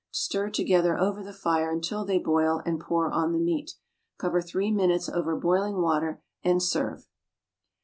Stir together over the fire until they boil, and pour on the meat. Cover three minutes over boiling water, and serve.